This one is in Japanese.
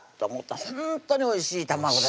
ほんとにおいしい卵です